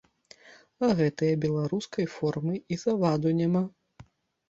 А гэтае беларускай формы і заваду няма.